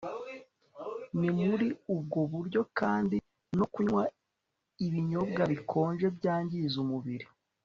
ni muri ubwo buryo kandi no kunywa ibinyobwa bikonje byangiza umubiri